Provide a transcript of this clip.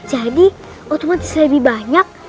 jadi otomatis lebih banyak